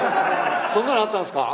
そんなのあったんすか？